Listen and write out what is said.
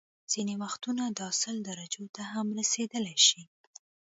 ځینې وختونه دا سل درجو ته هم رسيدلی شي